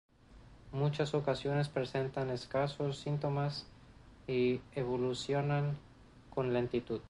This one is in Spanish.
En muchas ocasiones presentan escasos síntomas y evolucionan con lentitud.